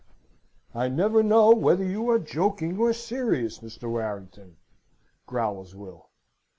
"I never know whether you are joking or serious, Mr. Warrington," growls Will.